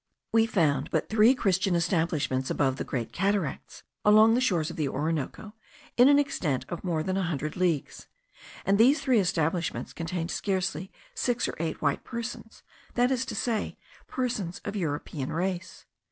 We found but three Christian establishments above the Great Cataracts, along the shores of the Orinoco, in an extent of more than a hundred leagues; and these three establishments contained scarcely six or eight white persons, that is to say, persons of European race.